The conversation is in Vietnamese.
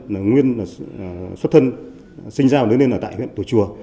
nguyên xuất thân sinh ra và nới lên ở tại huyện tùa chùa